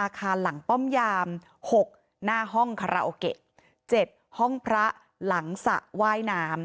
อาคารหลังป้อมยาม๖หน้าห้องคาราโอเกะ๗ห้องพระหลังสระว่ายน้ำ